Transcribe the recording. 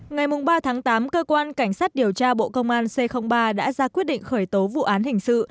ngày ba tháng tám cơ quan cảnh sát điều tra bộ công an c ba đã ra quyết định khởi tố vụ án hình sự